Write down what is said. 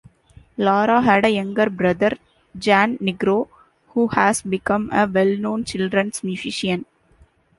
Laura had a younger brother, Jan Nigro, who has become a well-known children's musician.